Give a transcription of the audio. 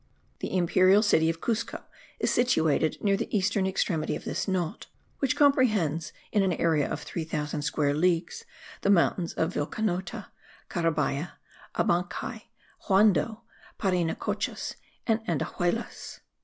The imperial city of Cuzco is situated near the eastern extremity of this knot, which comprehends, in an area of 3000 square leagues, the mountains of Vilcanota, Carabaya, Abancai, Huando, Parinacochas, and Andahuaylas.